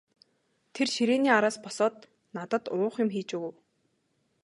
Тэр ширээний араас босоод надад уух юм хийж өгөв.